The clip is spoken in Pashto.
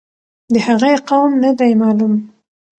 د هغې قوم نه دی معلوم.